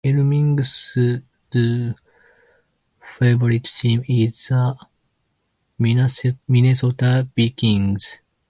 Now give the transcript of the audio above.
Elming's favorite team is the Minnesota Vikings.